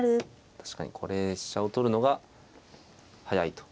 確かにこれ飛車を取るのが速いと。